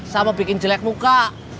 sama bikin jelek muka